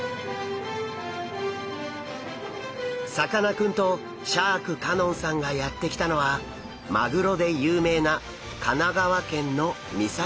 さかなクンとシャーク香音さんがやって来たのはマグロで有名な神奈川県の三崎漁港。